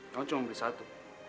kamu cuma beli satu